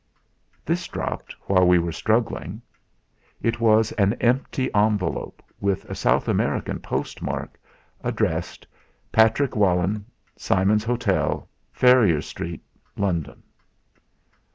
"This dropped while we were struggling." It was an empty envelope with a South American post mark addressed: "Patrick Walenn, Simon's Hotel, Farrier Street, London."